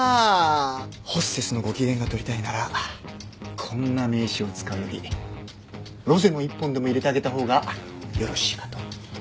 ホステスのご機嫌が取りたいならこんな名刺を使うよりロゼの１本でも入れてあげた方がよろしいかと。